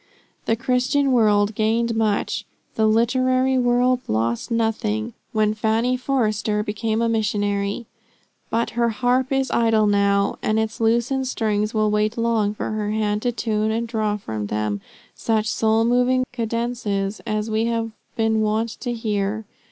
The Christian world gained much, the literary world lost nothing, when Fanny Forester became a missionary. But her harp is idle now, and its loosened strings will wait long for a hand to tune and draw from them such soul moving cadences as we have been wont to hear.